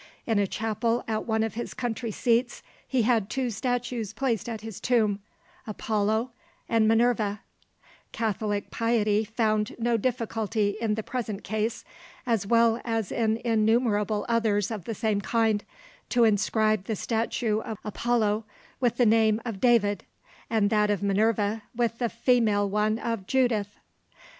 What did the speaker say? In a chapel at one of his country seats he had two statues placed at his tomb, Apollo and Minerva; catholic piety found no difficulty in the present case, as well as in innumerable others of the same kind, to inscribe the statue of Apollo with the name of David, and that of Minerva with the female one of Judith!